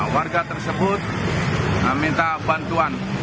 warga tersebut minta bantuan